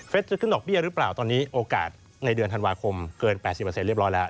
จะขึ้นดอกเบี้ยหรือเปล่าตอนนี้โอกาสในเดือนธันวาคมเกิน๘๐เรียบร้อยแล้ว